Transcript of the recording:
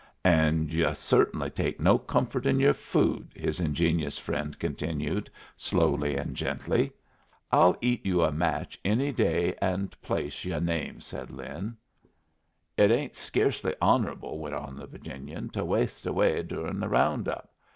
"And yu' cert'nly take no comfort in your food," his ingenious friend continued, slowly and gently. "I'll eat you a match any day and place yu' name," said Lin. "It ain't sca'cely hon'able," went on the Virginian, "to waste away durin' the round up.